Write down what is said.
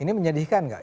ini menyedihkan gak